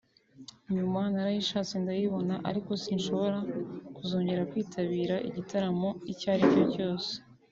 nyuma narayishatse ndayibona ariko sinshobora kuzongera kwitabira igitaramo icyo aricyo cyose